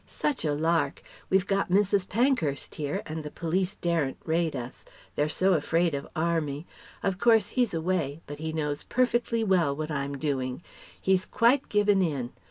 Such a lark! We've got Mrs. Pankhurst here and the Police daren't raid us; they're so afraid of 'Army.' Of course he's away, but he knows perfectly well what I'm doing. He's quite given in.